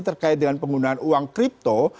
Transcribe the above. terkait dengan penggunaan uang kripto